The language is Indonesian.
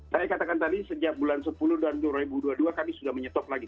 saya katakan tadi sejak bulan sepuluh dan dua ribu dua puluh dua kami sudah menyetop lagi